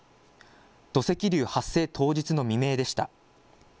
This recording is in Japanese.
土石流発生当日の未明でした。